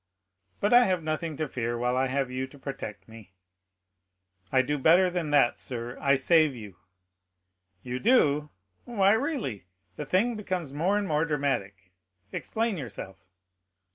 But I have nothing to fear while I have you to protect me." "I do better than that, sir—I save you." "You do? Why, really, the thing becomes more and more dramatic—explain yourself."